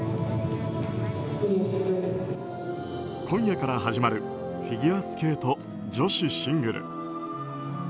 今夜から始まるフィギュアスケート女子シングル。